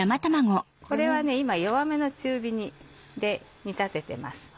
これは今弱めの中火で煮立ててます。